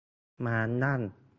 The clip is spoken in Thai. ม้านั่ง